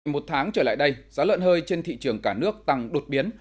một tháng trở lại đây giá lợn hơi trên thị trường cả nước tăng đột biến